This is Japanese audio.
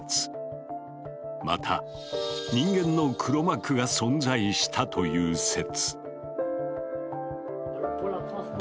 また人間の黒幕が存在したという説。